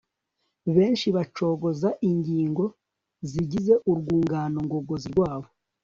Benshi bacogoza ingingo zigize urwungano ngogozi rwabo